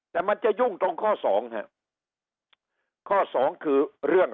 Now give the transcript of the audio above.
แต่มันจะยุ่งตรงข้อสอง